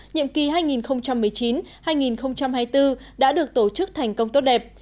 nhiệm kỳ hai nghìn một mươi chín hai nghìn hai mươi bốn đã được tổ chức thành công tốt đẹp